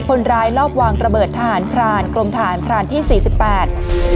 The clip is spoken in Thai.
คนร้ายรอบวางระเบิดทหารพรานกลมทหารพรานที่สี่สิบแปด